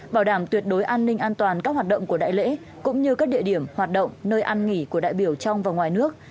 bảo đảm tuyệt đối an ninh an toàn các hoạt động của đại lễ cũng như các địa điểm hoạt động nơi ăn nghỉ của đại biểu trong và ngoài nước